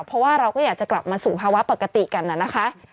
เพราะว่าเราก็อยากจะกลับมาสู่ภาวะปกติกันนะคะ